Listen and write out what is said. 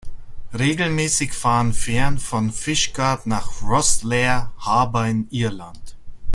Regelmäßig fahren Fähren von Fishguard nach Rosslare Harbour in Irland.